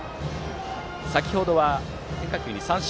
先ほどは変化球に三振。